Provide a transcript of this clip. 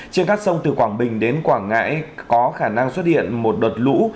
trên các sông từ quảng bình đến quảng ngãi có khả năng xuất hiện một đợt lũ